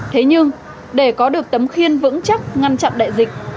thế nhưng để có được tấm khiên vững chắc ngăn chặn đại dịch